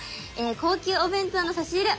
高級お弁当の差し入れ